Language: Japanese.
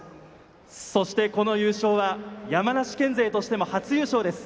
そして、この優勝は山梨県勢としても初優勝です。